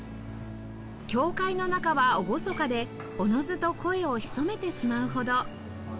教会の中は厳かでおのずと声を潜めてしまうほど